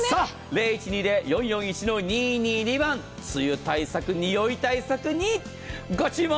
０１２０−４４１−２２２梅雨対策、におい対策にご注文